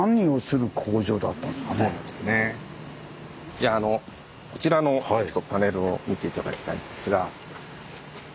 じゃあこちらのパネルを見て頂きたいんですが。